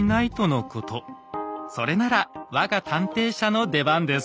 それなら我が探偵社の出番です。